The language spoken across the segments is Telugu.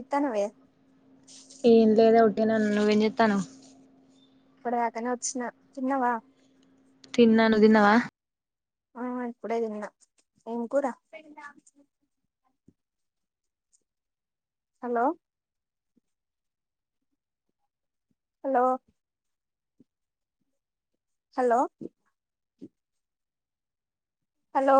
ఎత్తను వే ఏం లేదు అవుట్ వట్టిగానే నువ్వు ఏం చేత్తనవ్ ఇప్పడి దాకానే వచ్చిన తిన్నవా తిన్నా నువు తిన్నవా ఆ ఇప్పుడే తిన్న ఏం కూరా హలో హలో హలో హలో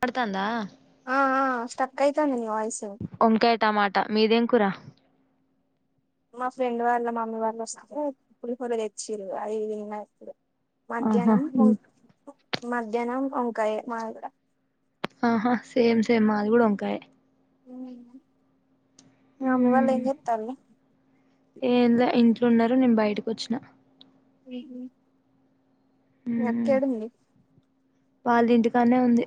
పడుతాందా ఆ ఆ స్టక్ అయితంది నీ వాయిస్ సో వంకాయ టమాటా మీదేం కురా మా ఫ్రెండ్ వాళ్ళ మమ్మీ వాళ్ళు వస్తే పులిహోర తెచ్చిరు అది ఇది తిన్న పుడు ఆహా మధ్యాహ్నం బో మధ్యాహ్నం వంకాయ మాది కూడా ఆహా సేమ్ సేమ్ మాది కూడా వంకాయే రుమైందా ఉమ్ ఏందో ఇంట్ల ఉండరు నేను బయటకి వచ్చిన మీరు మీ అక్క ఏడుంది వాలింటికానే ఉంది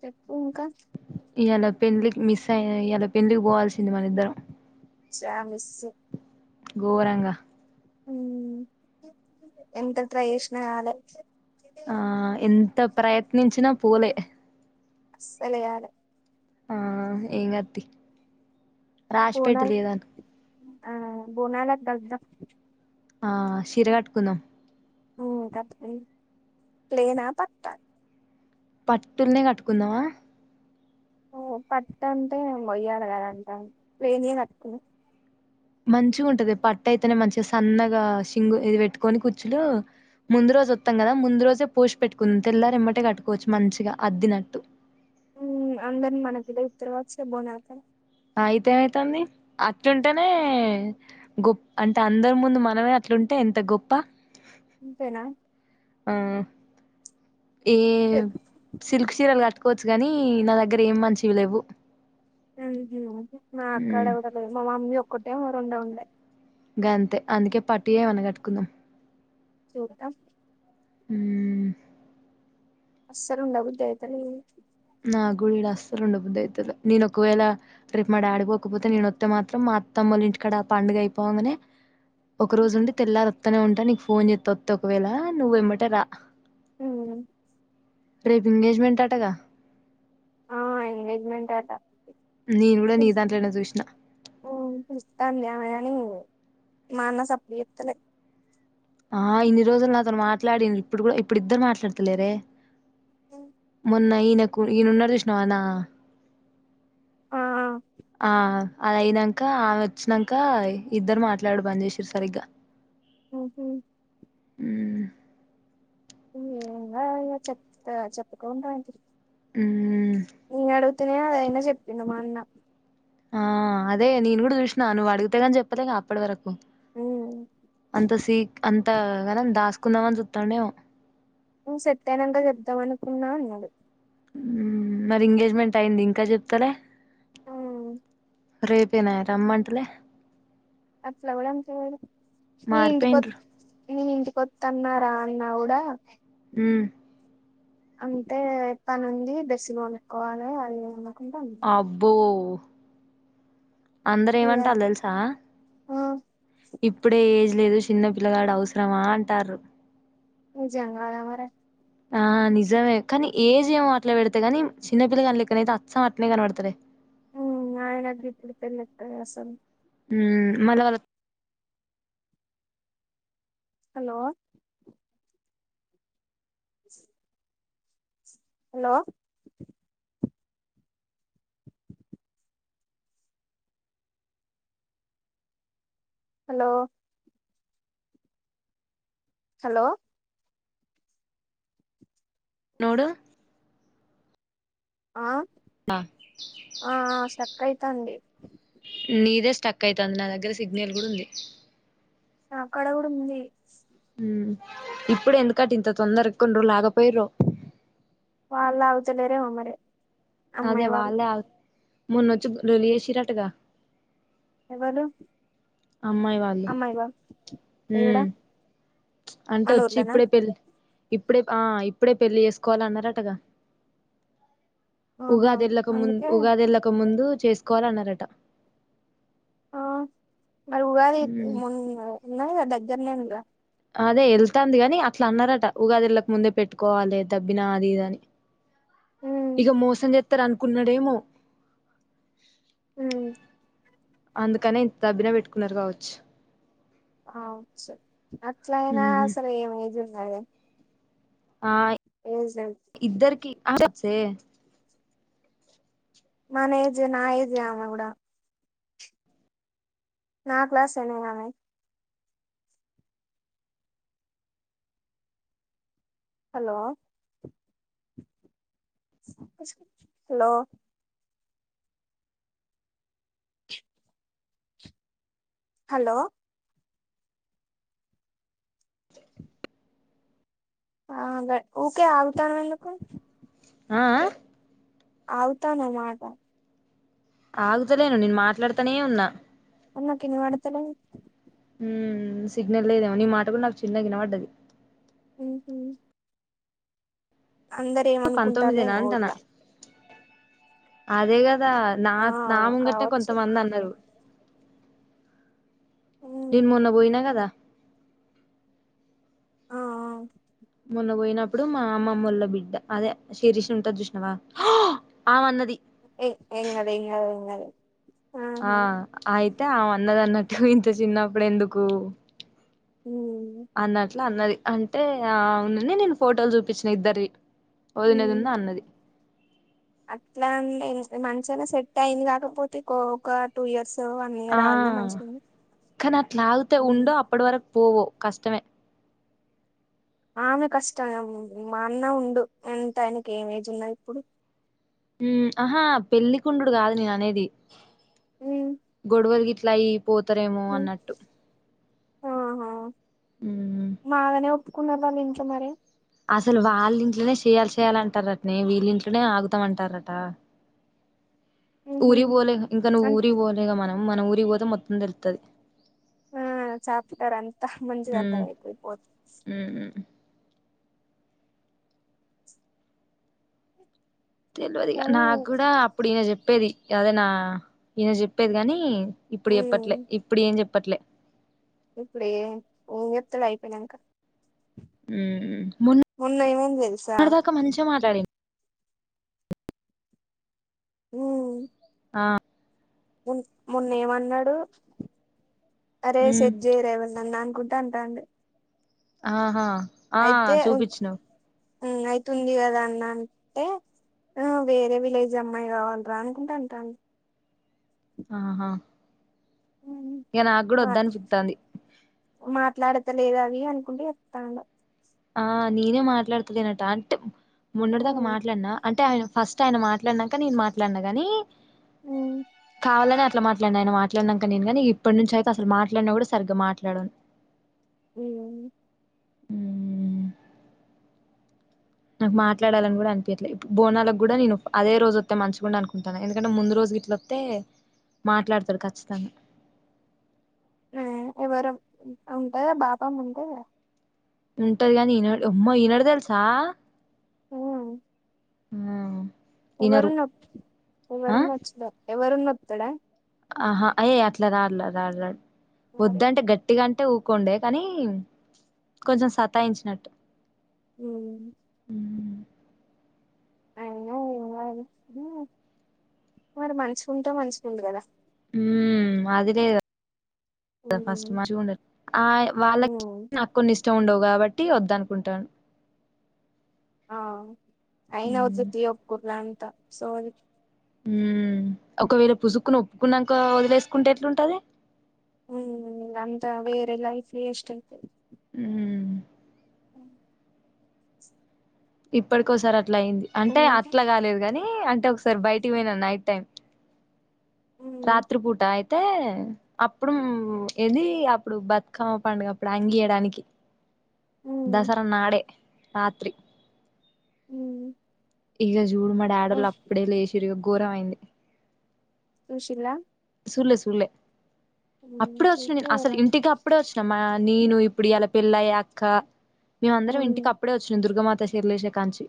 చెప్పు ఇంకా ఇయళ పెళ్లికి మిస్ అయినా ఇయాళ పెళ్డ్లికి బోవాల్సింది మన ఇద్దరం చా మిస్ ఘోరంగా ఉ ఎంత ట్రై చేసినా కాలే ఆ ఎంత ప్రయత్నించినా పోలే అస్సలుగాలే ఆ ఎంగాతి బోనాల్ ఆ బోనాలకు గల్దం ఆ శిర కట్కుందాం ప్ప ప్లేనా పట్ట పట్టుల్నే కట్టుకుందావా ఓ పట్టంటే ఒయడగాాలంట పేని కట్టను మంచిగా ఉంటది పట్ట అయితేనే మంచిగా సన్నగా సింగు ఇది పెట్టుకొని కూచులు ముందు రోజు వత్తాం కదా ముందు రోజే పూసి పెట్టుకుంది తెల్లారింమటే కట్టుకోవచ్చు మంచిగా అద్దినట్టు అందరిని మనకుద ఉత్తర వచ్చా బోన్తారు అయితే ఏమైతుంది అట్లుంటేనే గొ అంటే అందరి ముందు మనమే అట్లుంటే ఎంత గొప్ప ఇంతేనా ఆ ఏ సిల్క్ చరల్ కట్ కోవచ్చు కాగాని నా దగ్గర ఏమి మంచివి లేవు హ హ్మ్ క్కడే ఉ మా మమ్మీ కొట్టే వరండావులే ఇ గ అంతే అందుకే పట్టుయమన కట్టుకుందాం చూద్దా హ అసలు ఉండబద్దియితే నా గు ఇడ అస్తలుండబుద్దు అవుతుంది నేన ఒకవేళ ట్రిప్ మా ఆడిపోకపోతే నేనొస్తతే మాత్రం మా అత్తమ్మలు ఇంటికాడ ఆ పండుగ అయిపోవగానే ఒక రోజు ఉండి తెల్ల రత్తనే ఉంటాను ఫోన్ చే తొత్త ఒకవేళ నువ్వేమంటే రా ఉమ్ రేపు ఎంగేజ్మెంట్ అటగా ఆ ఎంగేజ్మెంట్ అట నేను కూడా నీ పిలుస్తా దాంట్లోనా చూసిన అ మానసప్పుడు ఎల ఆ ఇన్ని రోజులు నాతో మాట్లాడి ఇప్పుడు కూడా ఇప్పుడు ఇద్దరు మాట్లాడుతలేరే మొన్న ఈయనకు ఈయన ఉన్నాడు చూసినావా అనా ఆ ఆ ఆ అలా అయినాక ఆమె వచ్చాక ఇద్దరు మాట్లాడు పనిచసారు సరిగ్గా ఆహ అ ంకా ఇ చెప్ చెప్పకుండా ఆ ఇడు అనే అదైనా చెప్పిండడు మా అన్న ఆ అదే నేను కూడా చూసినా నువ్వు అడిగితేగాని చెప్పలేక అప్పటి వరకు మ్మ్ అంత స అంత క దాస్ కున్న వన్ చుతండ సెత్తనంగా చెద్దాం అనుకున్నా నను మరి ఎంగేజ్మెంట్ అయి్యంది ఇంకా చెప్తలే మ్మ్ రేపేనా రమ్మంటలే ఆల కూడా వ ఏంటిడి కొ మారిపోయిండ్రు నేను ఇంటికొత్తన్న రా అన్నా కూడా. ఉమ్ అంటే పనుంది డ్రెస్సులు కొనుక్కోవాలే అది ఇది అని అబ్బో కు అందరు ఇగ ఏమంటళ్లు తెలుసా. ఆ ఇప్పుడే ఏజ్ లేదు చిన్న పిల్లగాడు అవసరమా అంటార్ర్ నిజం కాదా మరి ఆ నిజమే కానీ ఏజ్ ఏమో అట్లే పెడితే కాని చిన్నపిల్ల గానీ లెక్కనే అయితే అచ్చం అట్నే కనపడతారే. ఉమ్ ఆయనకు గిప్పుడు పెళ్లిక్కడిది అసలు. ఉమ్ మళ్ళ వాళ్ళ హలో హలో హలో హలో నోడు ఆ ఆ స్ట్రక్ అయితాంది. నీదే స్టక్ అవుతది నా దగ్గర సిగ్నల్ కూడా ఉంది. నాకాడ కూడా ఉంది. ఉమ్ ఇప్పుడే ఎందుకట ఇంత తొందరగా కొన్ని రోజులు ఆగ పోయ్ర. వాళ్లు ఆగుతలేరేమో మరి. అదే అమ్మాయి వాళ్ళు వాళ్లే ఆగు మొన్నొచ్చి లొల్లి చేసిరటగా. ఎవలు అమ్మాయి వాళ్ళు ఈడ ఉమ్ అంటే మన వచ్చి ఊర్లోనా ఇప్పుడే పెళ్లి. ఇప్పుడే ఆ ఇప్పుడే పెళ్లి చేసుకోవాలి అన్నారటగా. ఆహా ఉగాది ఎల్లాక ముందు అందుకే ఉగాది ఎల్లక ముందు. చేసుకోవాలన్నారట. ఆ మరి ఉగాది ముందు ఉన్నది కదా. దగ్గనే అదే వెళ్తాంది కాగాని అట్లా అన్నారట ఉగాదిళ్ళక ముందే పెట్టుకోవాలి. దబ్బినా అది ఇది అని ఇక మోసం చేస్తారు అనుకున్నాడేమో. ఉమ్ అందుకనే ఇంత తబ్బినా పెట్టుకున్నారు కావచ్చు. ఆ కావచ్చు. అట్లయినా ఉమ్ అసలు ఏమేదు అదే ఆ ఇద్దరి కి చే మన ఏజ్ నా ఏజ్ అమె కూడా నా క్లాస్ ఎనే ఆమె హలో హలో హలో హ ఉకే ఆగుతావెందుకు ఆ అ ఆగుతానై మాట ఆగుతలేను నేను మాట్లాడుతానే ఉన్నా మరి నాకైనాభాత్తలైదు హ్మ్ సిగ్నల్ లేదేమో నీ మాట కూడా నాకు చిన్నగా వినపడ్డది ఉ హ్మ్ అందర ఏమనుకుంటాలే ఊర్లా అదేగా కదా నా ఆ నా ముంగటనే కావచ్చు కొంతమంది అన్నారు నిన్ ఉమ్ మొన్న బయినా కదా ఆ మొన్న పోయినప్పుడు మా అమ్మమ్మళ బిడ్డ అదే శిరీష ఉంటారు చూష్ణవా ఆమన్న ఏ ఎగదు ఎగదు ఆ ఆయ తే ఆ అన్నదన్నట్టు ఇంత చిన్నప్పుడు ఎందుకు ఉమ్ అన్నట్లా అన్నది అంటే ఆ అవునని నేను ఫోటోలు చూపించిన ఇద్దర్వి ఉమ్. వదినదున్నది అన్నది అట్లా అంటే మంచినా సెట్ అయింది కాకపోతే ఒక టూ ఇయర్స్ వన్ ఆ ఇయర్ ఆగిన మంచిగానే కానీ అట్లాగితే ఉమ్. ఉండో అప్పటి వరకు పోవు కష్టమే ఆమె కష్టం మా అన్న ఉండు ఎంత ఆయనకు ఏం ఏజ్ ఉన్నా ఇప్పుడు హ్మ్ ఆహా పెళ్ళ కుండడుడు కాదు నేను అనేది ఉమ్, గోడవల్ గీ లై పోతారేమో ఉమ్. అన్నట్టు ఆహా ఉమ్మ్మ్ ఒప్పుకున్నారా వాలా ఇంట్లో మరి అసలు వాళ్ళ ఇంట్లోనే చేయాలి చెయాలంటారటనే వీళ్ళింట్లోనే ఆగుతామంటారట ఉహు ఊరి బోలే ఇంకాను అన్- ఊరి బోలేగా మన మన ఊరి పోతే మొత్తం తెలుతది ఆ చాప్టర్ అంతా మ్మ్ మంచిగార్థమైతది ఇపోతే మ్మ్ తెలిదు కానీ నాకు కూడా అప్పుడ చెప్ప చెప్పేది అదేనా ఈయన చెప్పేది కాని ఇప్పుడు చెప్పట్లే ఉమ్, ఇప్పుడు ఏం చెప్ప పట్లే ఇప్పుడు ఉంగలయిపోనాంకా ఉ ఉన్నై ముంద తెలుసా సడ ఉ ఆ మొన్న ఏమన్నాడు అరే మ్మ్ సజ్జేరేవల్ న గుంట అంతా అండి ఆహా ఆ చూపించను్ అయితుంది కదా అన్న అంటే వేరే విలేజ్ అమ్మాయి కావాలరా అనుకుంటే అంటాను ఆహా ఇక నాకు కూడా మా వద్దనిపిత్తంది మాట్లాడతలేదు అవి అనుకుంటే చెప్తాం ఆ నేనే మాట్లాడుతలేనట అంటే మొన్నటి దాకా మాట్లాడినా అంటే ఆయన ఫస్ట్ ఆయన మాట్లాడినాక నేను మాట్లాడినా కాని కావాలని అట్లా మాట్లాడినను ఆయన మాట్లాడినాక నేను కాని ఇప్పటి నుంచి అయితే అసలు మాట్లాడినా కూడా సరిగ్గా మాట్లాడును అవు అ [inaudible] నాకు మాట్లాడాలని కూడా అనిపించట్లేదు ఇప్పుడు బోనాలకు కూడా నేను అదే రోజు వస్తే మంచికుంటాది అనుకుంటాను ఎందుకంటే ముందు రోజు గట్లొస్తతే మాట్లాడతాడు ఖచ్చితంగా ఆ ఎవరు ఉంటాయా బాపమ్మ ఉంటే ఉంటరిగాని ఇ ఉమ్మా ఈనుడదల్సా హ ఆ ఒవ్వెరు ఇనరు న ఒవ్వెరు నొచ్చద ఎవరున్న వస్తాడా ఆహా ఏయ అట్లా రాడ్ల రాడ్ రాడ్ మరి వద్దంటే గట్టిగా అంటే అంటే ఊకోండే కానీ కొంచెం సతాయించినట్టు ఉ అయినా ఇ మరి మంచికుంటే మంచిగు ఉంది కదా ఉ అదిలేదా ఫస్ట్ మ వాళ్ళకి నాకు కొన్ని ఇష్ట ఉండవు కాబట్టి వద్ద అనుకుంటాను ఆ అయినవర్ జతి ఒప్కుర్లా అ సోరి ఉ ఒకవేళ పుసుక్కున ఒప్పుకున్నాక వదిలేసుకుంటే ఎట్లుంటది ఉ అంత వేరే లైఫ్ వేస్ట్ అయితది ఉమ్ ఉమ్ ఇప్పటికోసారి అట్ల అయింది అంటే ఉమ్ అట్లా కాలేదు కాని అంటే ఒక సార్ బయటికి పోయినా నైట్ టైం కి రాత్రి పూట అయితే అయితే అప్పుడు ఏది అప్పుడు బతుకమ్మ పండుగ అప్పుడు అంగియడానికి ఉమ్ దసరా నాడే రాత్రి ఉమ్ ఇగ చెప్పు జూడు మా డాడీ ఉమ్, ఉన్నప్పుడే చేసిండ్రు ఘోరమైంది సుశీలా సూడలే సూడలే అప్పుడే వచ్చిన నేను అసలు చెప్పారని ఇంటికి అప్పుడే వచ్చిన మా నేను ఇప్పుడు ఇయాల పెళ్ళయాక మేమందరం ఇంటికి అప్పుడే వచ్చినం దుర్గామాత లెష్ణ కానుంచి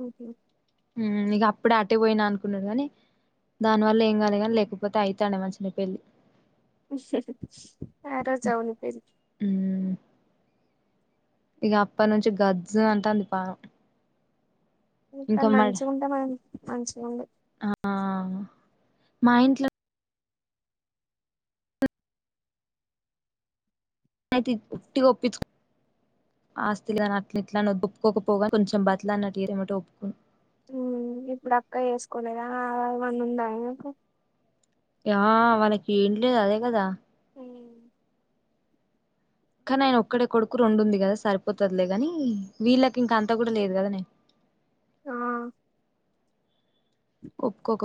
ఓకే ఓకే ఉమ్ ఇగ అప్పుడే అటే పోయినా అనుకున్నాడు కానీ దానివల్ల ఏం కాలేదు కానీ లేకపో పోతే అయితానేే మంచిగా పెళ్లి ఆ రజావును పేరు ఉమ్ ఇగ అప్ప నుంచి గజ అంటాంది పానం ఇంకా కానీ మా మంచిగా ఉంటే మనం మంచిగాండి ఆ మా ఇంట్లో ననయితే ఒట్టిగా ఒప్పించు ఆస్తికి దని అట్ల ఇట్లా ఒప్పుకోకపోగా కొంచెం బతిలా అన్నటురేమటే ఒప్పుకుని ఇప్పుడు అక్క చేసుకోనేదావన్న ఉందాకు ఆ మనకి ఏం లేదు అదే కదా కానీ ఆయన ఒక్కడే కొడుకు రెండుంది కదా సరిపోతుదిలే ని వీళ్ళకి ఇంక అంతా కూడా లేదు కదా నే ఆ ఒప్పుకోక